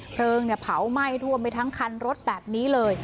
เพลิงเผาไหม้ท่วมไปทั้งคันรถแบบนี้เลย